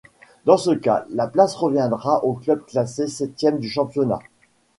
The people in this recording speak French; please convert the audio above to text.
Dans ce cas, la place reviendrait au club classé septième du championnat.